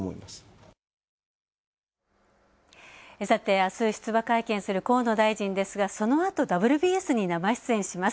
あす、出馬会見する河野大臣ですが、そのあと「ＷＢＳ」に生出演します。